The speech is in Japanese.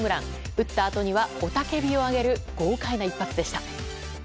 打ったあとには雄たけびを上げる豪快な一発でした。